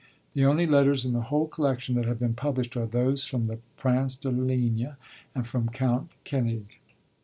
The only letters in the whole collection that have been published are those from the Prince de Ligne and from Count Koenig.